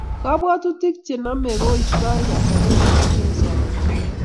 kapwatutik chenamei koistai kasanet ap kei eng somanet